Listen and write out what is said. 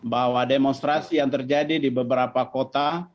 bahwa demonstrasi yang terjadi di beberapa kota